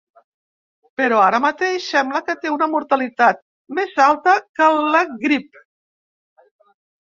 Però ara mateix sembla que té una mortalitat més alta que la grip.